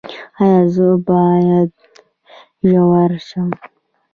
ایا زه باید زوړ شم؟